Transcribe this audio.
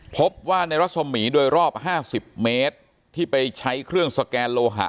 พบว่าในรัศมีร์โดยรอบ๕๐เมตรที่ไปใช้เครื่องสแกนโลหะ